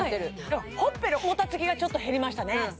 ほっぺのもたつきがちょっと減りましたね